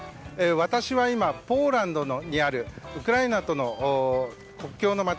私は今ポーランドにあるウクライナとの国境の街